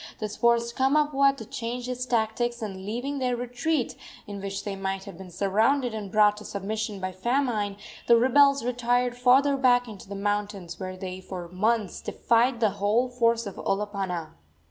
This forced Kamapuaa to change his tactics, and, leaving their retreat, in which they might have been surrounded and brought to submission by famine, the rebels retired farther back into the mountains, where they for months defied the whole force of Olopana.